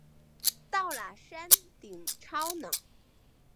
到了山顶超冷